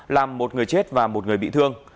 làm một người chết và một người bị thương